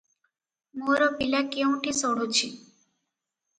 ମୋର ପିଲା କେଉଁଠି ସଢ଼ୁଚି?